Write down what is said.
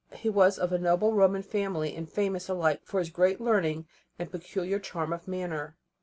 He was of a noble Roman family, and famous alike for his great learning and peculiar charm of manner.